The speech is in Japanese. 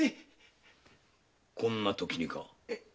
こんなときにか？